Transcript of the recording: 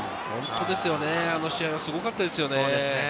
あの試合はすごかったですよね。